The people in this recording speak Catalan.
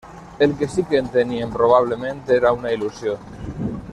El que sí que entenien probablement era una il·lusió.